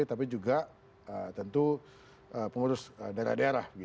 tapi juga tentu pengurus daerah daerah